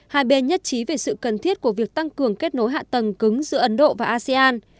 hai bên nhất trí về sự cần thiết của việc tăng cường kết nối hạ tầng cứng giữa ấn độ và asean